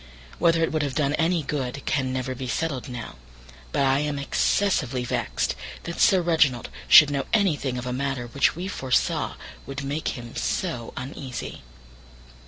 Whether it would have done any good can never be settled now, but I am excessively vexed that Sir Reginald should know anything of a matter which we foresaw would make him so uneasy.